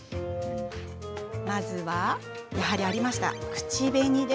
まずは、やはりありました、口紅。